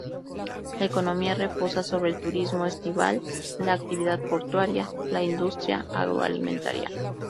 La economía reposa sobre el turismo estival, la actividad portuaria y la industria agroalimentaria.